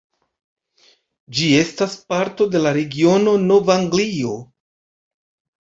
Ĝi estas parto de la regiono Nov-Anglio.